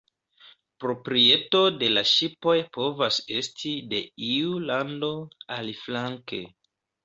Proprieto de la ŝipoj povas esti de iu lando, aliflanke.